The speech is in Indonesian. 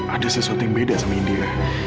ada sesuatu yang beda sama india